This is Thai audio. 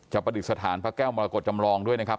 ประดิษฐานพระแก้วมรกฏจำลองด้วยนะครับ